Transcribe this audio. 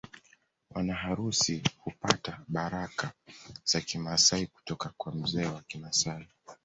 Wanaharusi hupata baraka za Kimasai kutoka kwa mzee wa Kimasai